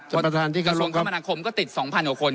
กระทบคมก็ติด๒๐๐๐กว่าคน